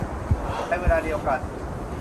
ในเวลาเดียวกัน